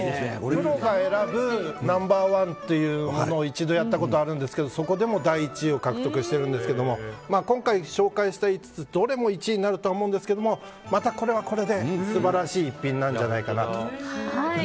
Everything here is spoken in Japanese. プロが選ぶナンバー１というものを一度やったことがあるんですがそこでも第１位を獲得してるんですけれども今回、紹介した５つどれも１位になるとは思うんですがまたこれはこれで素晴らしい逸品じゃないかなと。